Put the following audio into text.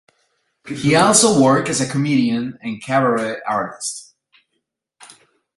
He also works as a comedian and cabaret artist.